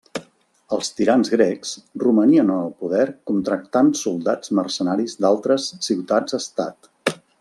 Els tirans grecs romanien en el poder contractant soldats mercenaris d'altres ciutats-estat.